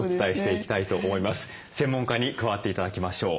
専門家に加わって頂きましょう。